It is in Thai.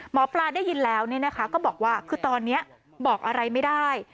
หมอปลาได้ยินแล้วก็บอกว่าคือตอนนี้บอกอะไรไม่ได้